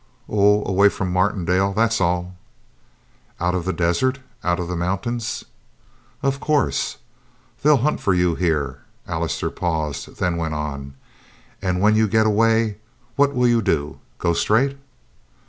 "Oh, away from Martindale, that's all." "Out of the desert? Out of the mountains?" "Of course. They'll hunt for you here." Allister paused, then went on. "And when you get away what'll you do? Go straight?"